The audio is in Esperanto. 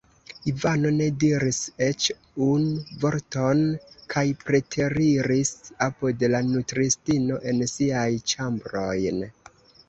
Ivano ne diris eĉ unu vorton kaj preteriris apud la nutristino en siajn ĉambrojn.